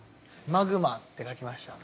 「マグマ」って書きました。